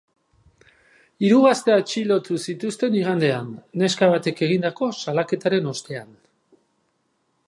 Hiru gazte atxilotu zituzten igandean, neska batek egindako salaketaren ostean.